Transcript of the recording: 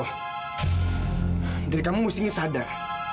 jadi kamu mesti ingin sadar